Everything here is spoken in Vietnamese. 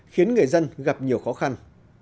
khiến người dân gặp nhiều khó khăn